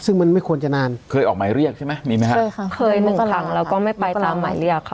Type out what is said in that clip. ซึ่งมันไม่ควรจะนานเคยออกหมายเรียกใช่ไหมมีไหมฮะเคยค่ะเคยหนึ่งครั้งแล้วก็ไม่ไปตามหมายเรียกค่ะ